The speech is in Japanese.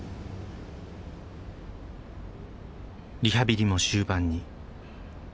リハビリも終盤に。